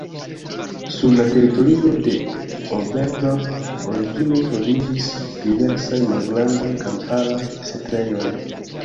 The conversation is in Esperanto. Sur la teritorio de Oberdorf origine troviĝis diversaj malgrandaj kamparaj setlejoj.